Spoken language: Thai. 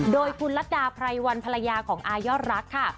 โดยคุณลัดดาไพรวันภรรยาของอายอดรักค่ะ